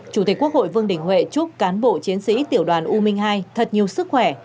chủ tịch quốc hội vương đình huệ chúc cán bộ chiến sĩ tiểu đoàn u minh hai thật nhiều sức khỏe